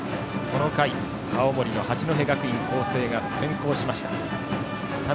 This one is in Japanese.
この回、青森の八戸学院光星が先行しました。